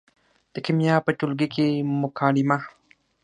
د کیمیا په ټولګي کې مکالمه